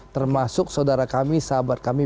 termasuk saudara kami sahabat kami